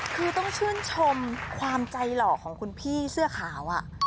คือต้องชื่นชมความใจหล่อของคุณพี่เสื้อขาว